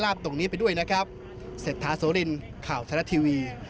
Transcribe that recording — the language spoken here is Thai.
ด้านถูกนี้ด้วยนะครับซับทาสโซลินข่าวทาตุดน